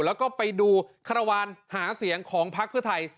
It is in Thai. แล้วก็ไปดูคารวาลหาเสียงของพักเพื่อไทย